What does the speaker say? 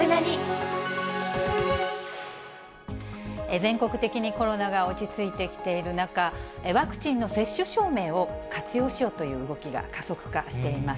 全国的にコロナが落ち着いてきている中、ワクチンの接種証明を活用しようという動きが加速化しています。